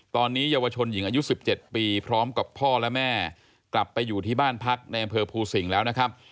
ตอนนี้เยาวชนหญิงอายุ๑๗ปีพร้อมกับพ่อและแม่กลับไปอยู่ที่บ้านพักในอำเภอภูสิงห์แล้วนะครับ